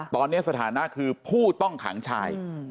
ตอนนี้สถานะคือผู้ต้องขังชาย